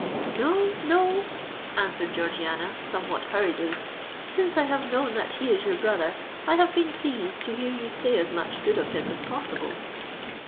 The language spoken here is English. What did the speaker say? "No—no," answered Georgiana, somewhat hurriedly. "Since I have known that he is your brother, I have been pleased to hear you say as much good of him as possible."